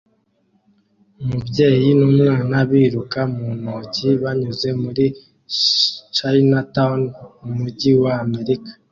Umubyeyi n'umwana biruka mu ntoki banyuze muri Chinatown mu mujyi wa Amerika